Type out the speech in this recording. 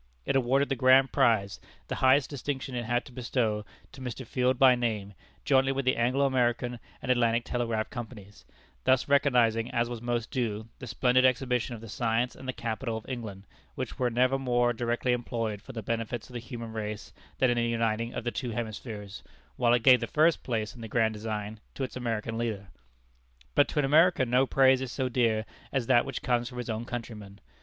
It awarded the GRAND PRIZE, the highest distinction it had to bestow, to Mr. Field by name, jointly with the Anglo American and Atlantic Telegraph Companies, thus recognizing, as was most due, the splendid exhibition of the science and the capital of England, which were never more directly employed for the benefit of the human race, than in the uniting of the two Hemispheres, while it gave the first place in the grand design to its American leader. But to an American no praise is so dear as that which comes from his own countrymen.